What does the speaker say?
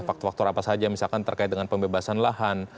faktor faktor apa saja misalkan terkait dengan pembebasan lahan